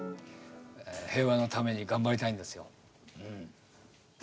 平和のために頑張りたいんですよ。